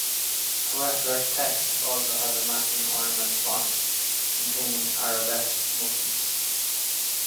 Hoefler Text also has a matching ornament font containing arabesque motifs.